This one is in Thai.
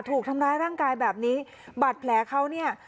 ถูกทำร้ายร่างกายแบบนี้บาดแผลเขาเนี่ย